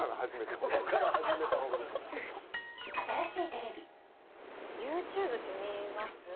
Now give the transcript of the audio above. ＹｏｕＴｕｂｅって見ます？